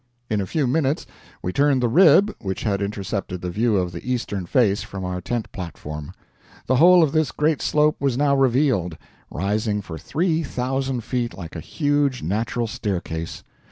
In a few minutes we turned the rib which had intercepted the view of the eastern face from our tent platform. The whole of this great slope was now revealed, rising for three thousand feet like a huge natural staircase.